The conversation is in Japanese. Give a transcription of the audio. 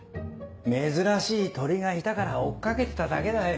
珍しい鳥がいたから追っかけてただけだよ。